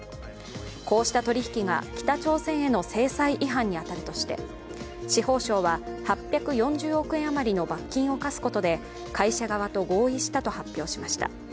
こうした取引が北朝鮮への制裁違反に当たるとして司法省は８４０億円余りの罰金を科すことで会社側と合意したと発表しました。